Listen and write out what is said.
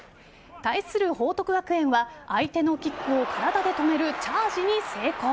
対する報徳学園は相手のキックを体で止めるチャージに成功。